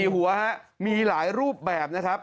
๔หัวมีหลายรูปแบบนะฮะ